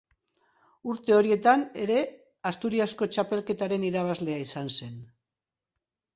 Urte horietan ere Asturiasko txapelketaren irabazlea izan zen.